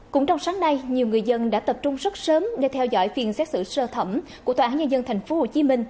cũng trong sáng nay nhiều người dân đã tập trung rất sớm để theo dõi phiên xét xử sơ thẩm của tòa án nhân dân tp hcm